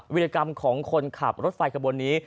วิรกรรมของคนขับรถไฟขบวนนี้